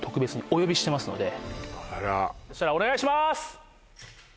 このあらお願いします！